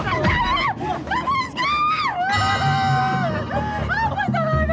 fajar ini mencoba memperkosa istri saya